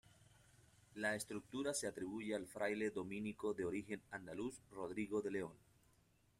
La estructura se atribuye al fraile dominico de origen andaluz Rodrigo de León.